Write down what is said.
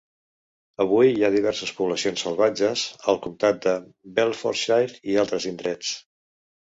Avui hi ha diverses poblacions salvatges al comtat de Bedfordshire i altres indrets.